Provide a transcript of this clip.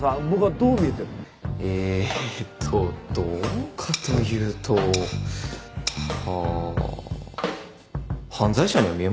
えーっとどうかというと。は犯罪者には見えません。